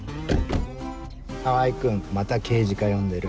川合君また刑事課呼んでる。